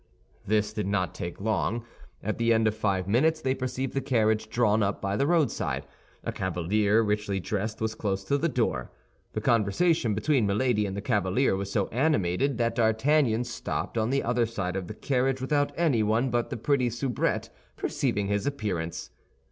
This did not take long. At the end of five minutes they perceived the carriage drawn up by the roadside; a cavalier, richly dressed, was close to the door. The conversation between Milady and the cavalier was so animated that D'Artagnan stopped on the other side of the carriage without anyone but the pretty soubrette perceiving his presence.